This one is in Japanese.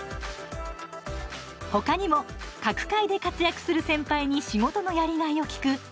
ほかにも各界で活躍する先輩に仕事のやりがいを聞く